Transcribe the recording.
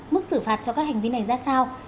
mức xử phạt cho các hành vi này ra sao